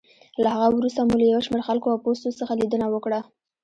له هغه وروسته مو له یو شمېر خلکو او پوستو څخه لېدنه وکړه.